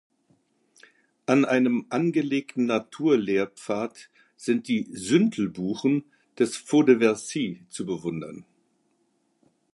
An einem angelegten Naturlehrpfad sind die Süntelbuchen des „Faux de Verzy“ zu bewundern.